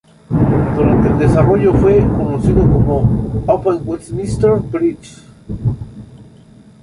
Durante el desarrollo fue conocido como "Upon Westminster Bridge".